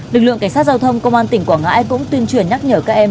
lực lượng cảnh sát giao thông công an tỉnh quảng ngãi cũng tuyên truyền nhắc nhở các em